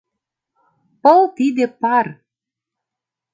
Пыл тиде — пар.